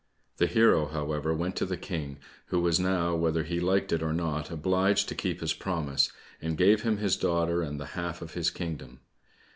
The hero, however went to the King, who was now, whether he liked it or not, obliged to keep his promise, and gave him his daughter and the half of his kingdom.